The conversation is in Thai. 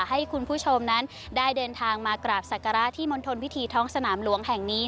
ให้คุณผู้ชมนั้นได้เดินทางมากราบศักระที่มณฑลพิธีท้องสนามหลวงแห่งนี้